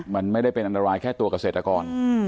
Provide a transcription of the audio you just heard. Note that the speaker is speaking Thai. มันไม่ได้เป็นอันตรายแค่ตัวเกษตรกร